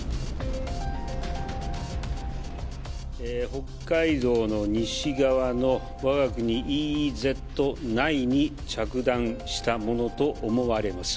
北海道の西側のわが国ＥＥＺ内に着弾したものと思われます。